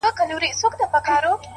شېرينې څه وکړمه زړه چي په زړه بد لگيږي”